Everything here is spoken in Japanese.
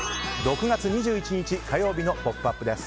６月２１日、火曜日の「ポップＵＰ！」です。